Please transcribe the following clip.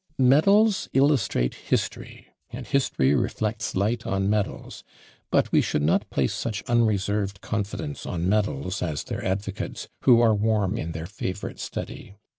Medals illustrate history, and history reflects light on medals; but we should not place such unreserved confidence on medals as their advocates, who are warm in their favourite study.